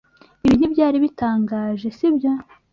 Ibi ntibyari bitangaje, si byo?